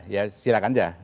ya silahkan aja